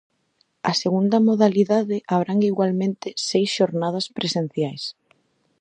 A segunda modalidade abrangue igualmente seis xornadas presenciais.